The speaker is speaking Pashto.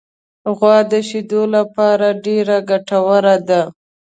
غوا د شیدو لپاره ډېره ګټوره ده.